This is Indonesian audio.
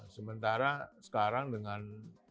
sementara sekarang dengan